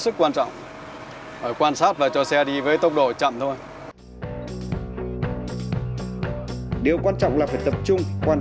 sức quan trọng quan sát và cho xe đi với tốc độ chậm thôi điều quan trọng là phải tập trung quan